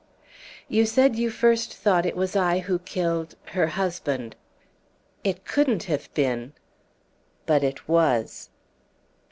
"You said you first thought it was I who killed her husband." "It couldn't have been!" "But it was."